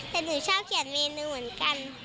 แต่หนูชอบเขียนเมนูเหมือนกัน